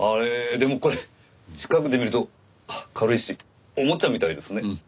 でもこれ近くで見ると軽いしおもちゃみたいですね。